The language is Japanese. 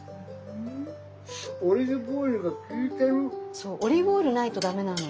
そうオリーブオイルないとダメなの。